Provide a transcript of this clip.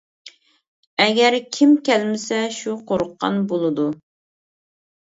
ئەگەر كىم كەلمىسە شۇ قورققان بولىدۇ.